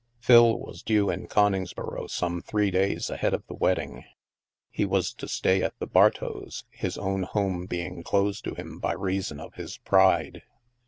Phil was due in Coningsboro some three days ahead of the wedding. He was to stay at the Bar tow's, his own home being closed to him by reason of his pride.